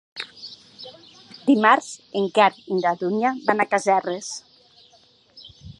Dimarts en Quer i na Dúnia van a Casserres.